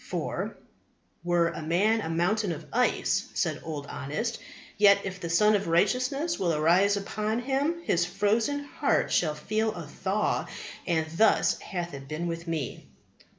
For, "were a man a mountain of ice," said Old Honest, "yet if the Sun of Righteousness will arise upon him his frozen heart shall feel a thaw; and thus hath it been with me."